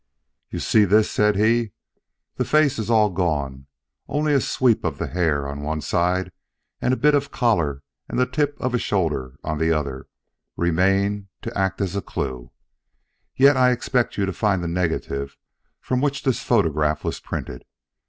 "You see this," said he. "The face is all gone; only a sweep of the hair on one side, and a bit of collar and the tip of a shoulder on the other, remain to act as a clue. Yet I expect you to find the negative from which this photograph was printed.